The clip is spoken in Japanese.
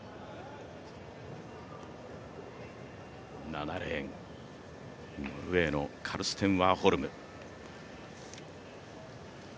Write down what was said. ７レーン、ノルウェーのカルステン・ワーホルム。